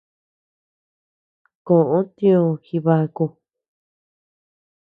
Koʼo tiö Jibaku.